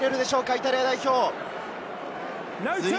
イタリア代表。